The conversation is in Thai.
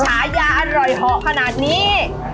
ชายาอร่อยพอขนาดนี้